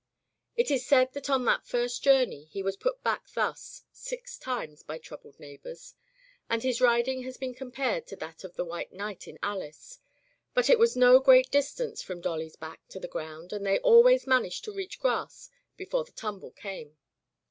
It is said that on that first journey he was put back thus six times by troubled neigh bors, and his riding has been compared to that of the White Knight in "Alice/' but it, was no great distance from Dolly's back to the ground, and they always managed to reach grass before the tumble came.